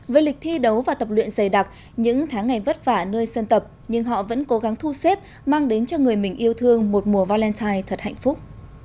với lịch thi đấu và tập luyện dày đặc những tháng ngày vất vả nơi sân tập nhưng họ vẫn cố gắng thu xếp mang đến cho người mình yêu thương một mùa valentine thật hạnh phúc